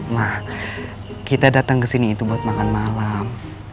ma kita datang kesini itu buat makan malam